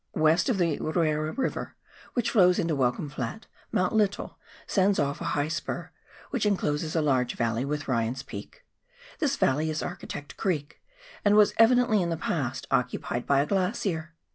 West of the Ruera River, which flows into Welcome Flat, Mount Lyttle sends off a high spur, which encloses a large valley with Ryan's Peak. This valley is Architect Creek, and was evidently in the past occupied by a glacier.